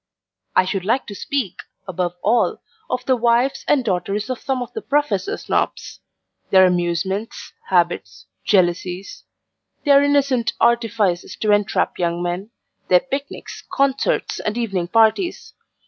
I should like to speak, above all, of the wives and daughters of some of the Professor Snobs; their amusements, habits, jealousies; their innocent artifices to entrap young men; their picnics, concerts, and evening parties.